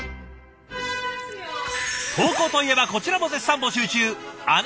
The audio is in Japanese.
投稿といえばこちらも絶賛募集中。